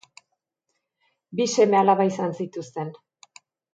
Bi seme alaba izan zituzten.